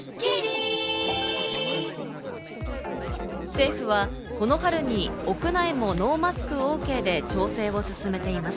政府はこの春に、屋内もノーマスクＯＫで調整を進めています。